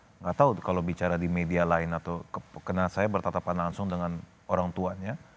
tidak tahu kalau bicara di media lain atau kena saya bertetapan langsung dengan orang tuanya